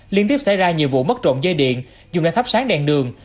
liên tiếp xảy ra nhiều vụ mất trộm dây điện dùng để thắp sáng đèn đường